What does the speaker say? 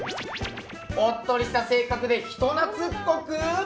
おっとりした性格で人懐っこく